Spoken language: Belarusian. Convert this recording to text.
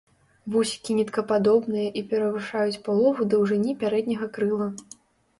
Вусікі ніткападобныя і перавышаюць палову даўжыні пярэдняга крыла.